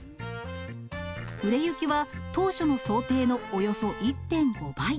売れ行きは当初の想定のおよそ１．５倍。